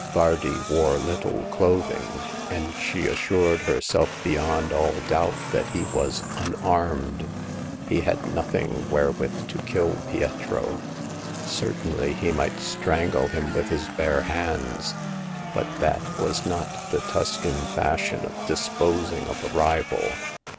Bardi wore little clothing, and she assured herself beyond all doubt that he was unarmed ; he had nothing where with to kill Pietro. Certainly he might strangle him with his bare hands ; but that was not the Tuscan fashion of disposing of a rival.